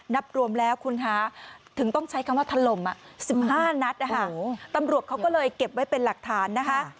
นับรวมแล้วคุณคะถึงต้องใช้คำว่าถล่ม๑๕นัดนะคะตำรวจเขาก็เลยเก็บไว้เป็นหลักฐานนะคะ